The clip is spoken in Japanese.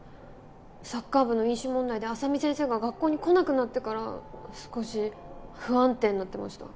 サッカー部の飲酒問題で浅見先生が学校に来なくなってから少し不安定になってました